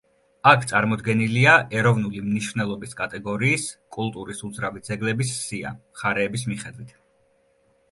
აქ წარმოდგენილია ეროვნული მნიშვნელობის კატეგორიის კულტურის უძრავი ძეგლების სია მხარეების მიხედვით.